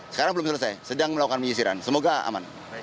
sekarang belum selesai sedang melakukan penyisiran semoga aman